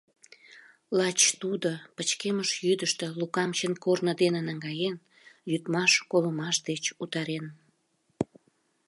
Лач Тудо пычкемыш йӱдыштӧ Лукам чын корно дене наҥгаен, лӱдмаш, колымаш деч утарен.